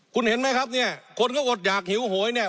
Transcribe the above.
คุณเห็นไหมครับเนี่ยคนก็อดหยากหิวโหยเนี่ย